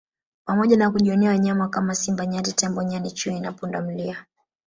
pamoja na kujionea wanyama kama Simba Nyati Tembo Nyani Chui na Pundamilia